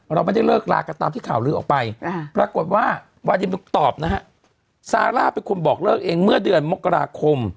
เราไม่ได้เลิกลากันตามที่ข่าวลือออกไปปรากฏว่าวาดินตอบนะฮะซาร่าเป็นคนบอกเลิกเองเมื่อเดือนมกราคม